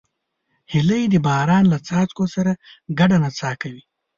هیلۍ د باران له څاڅکو سره ګډه نڅا کوي